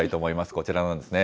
こちらなんですね。